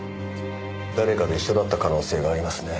誰かと一緒だった可能性がありますね。